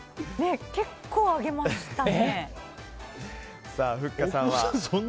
結構上げましたね。